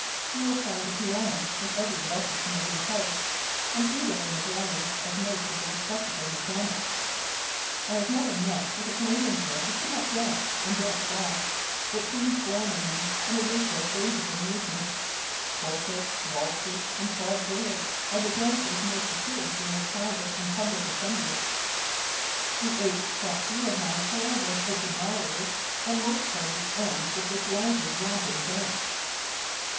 You will find a piano in every weathy Canadian's house, and even in the dwellings of most of the respectable mechanics. I never met with a Canadian girl who could not dance, and dance well. It seems born in them, and it is their favourite amusement. Polkas, waltzes, and quadrilles, are the dances most approved in their private and public assemblies. The eight Scotch reel has, however, its admirers, and most parties end with this lively romping dance.